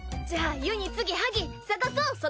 じゃあゆにつぎはぎ探そう